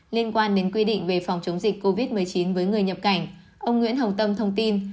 liên quan đến quy định về phòng chống dịch covid một mươi chín với người nhập cảnh ông nguyễn hồng tâm thông tin